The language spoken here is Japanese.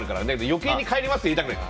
余計に、帰りますって入れたくない。